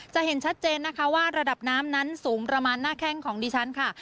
จะเห็นชัดเจนนะคะว่าระดับน้ำนั้นสูงประมาณหน้าแข้งของดิฉันค่ะ